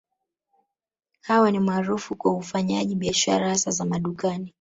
Hawa ni maarufu kwa ufanyaji biashara hasa za madukani